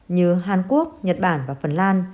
như hàn quốc nhật bản và phần lan